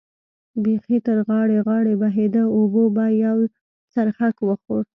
بېخي تر غاړې غاړې بهېده، اوبو به یو څرخک وخوړ.